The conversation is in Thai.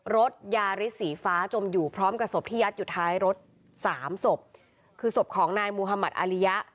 รถยาริสสีฟ้าจมอยู่พร้อมกับศพที่ยัดอยู่ท้ายรถสามศพคือศพของนายมุธมัติอาริยะ